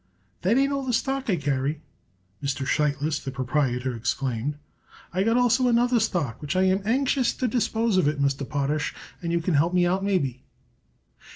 "That ain't all the stock I carry," Mr. Sheitlis, the proprietor, exclaimed. "I got also another stock which I am anxious to dispose of it, Mr. Potash, and you could help me out, maybe."